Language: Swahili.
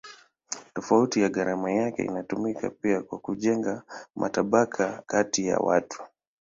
Tofauti ya gharama yake inatumika pia kujenga matabaka kati ya watu.